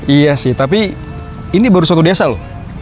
iya sih tapi ini baru suatu desa loh